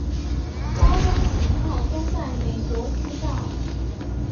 高端型号都在美国制造。